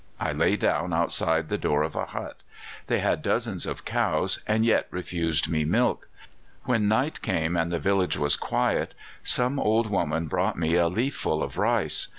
I lay down outside the door of a hut. They had dozens of cows, and yet refused me milk. When night came and the village was quiet, some old woman brought me a leafful of rice.